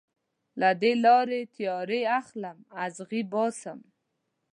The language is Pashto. د دې لارې تیارې اخلم اغزې باسم